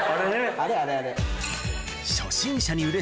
あれあれあれ。